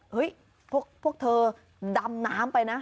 พวกเธอดำน้ำไปนะ